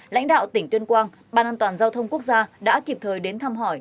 lãnh đạo tỉnh tuyên quang ban an toàn giao thông quốc gia đã kịp thời đến thăm hỏi